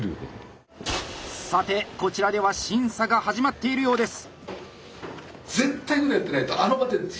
さてこちらでは審査が始まっているようです！